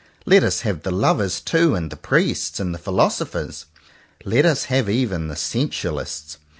Let us have the lover's, too; and the priest's, and the philosopher's. Let us have even the sensualist's.